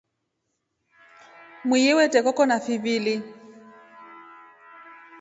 Mwarde wete rangi Koko na fivili.